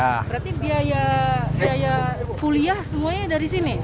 berarti biaya kuliah semuanya dari sini